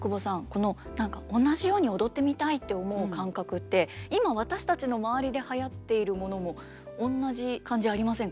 この同じように踊ってみたいって思う感覚って今私たちの周りではやっているものも同じ感じありませんか？